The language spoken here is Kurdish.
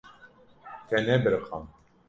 Te nebiriqand.